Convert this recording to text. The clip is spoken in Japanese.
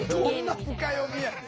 どんな深読みやねん。